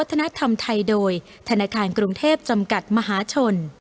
ธรรมไทยโดยธนาคารกรุงเทพจำกัดมหาชน